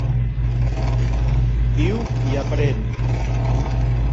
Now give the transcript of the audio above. Viu i aprèn.